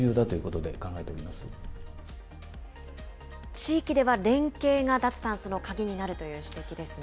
地域では連携が脱炭素の鍵になるという指摘ですね。